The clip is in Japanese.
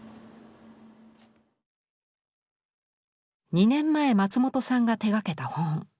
２年前松本さんが手がけた本。